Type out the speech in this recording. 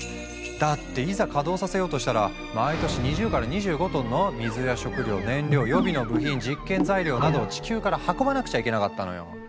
だっていざ稼働させようとしたら毎年２０から２５トンの水や食料燃料予備の部品実験材料などを地球から運ばなくちゃいけなかったのよ。